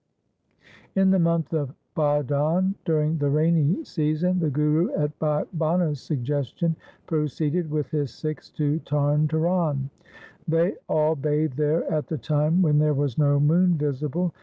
In the month of Bhadon, during the rainy season, the Guru at Bhai Bhana's suggestion proceeded with his Sikhs to Tarn Taran. They all bathed there at the time when there was no moon visible.